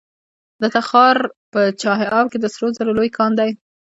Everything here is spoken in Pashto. د تخار په چاه اب کې د سرو زرو لوی کان دی.